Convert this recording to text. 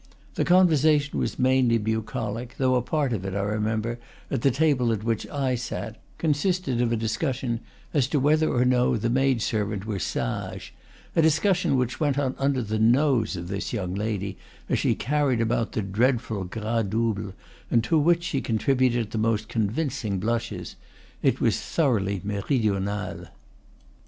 The conversation was mainly bucolic; though a part of it, I remember, at the table at which I sat, consisted of a discussion as to whether or no the maid servant were sage, a discussion which went on under the nose of this young lady, as she carried about the dreadful gras double, and to which she contributed the most convincing blushes. It was thoroughly meri dional.